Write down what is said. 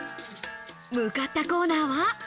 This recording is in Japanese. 向かったコーナーは。